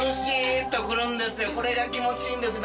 これが気持ちいいんです。